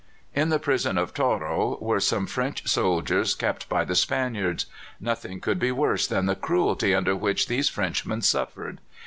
In the prison of Toro were some French soldiers kept by the Spaniards. Nothing could be worse than the cruelty under which these Frenchmen suffered.